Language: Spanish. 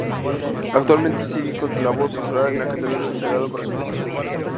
Actualmente sigue con su labor pastoral en la Catedral del Sagrado Corazón de Jesús.